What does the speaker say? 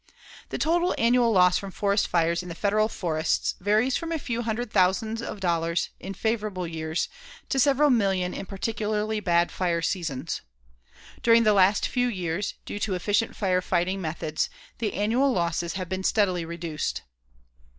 The total annual loss from forest fires in the Federal forests varies from a few hundred thousands of dollars in favorable years to several million in particularly bad fire seasons. During the last few years, due to efficient fire fighting methods, the annual losses have been steadily reduced.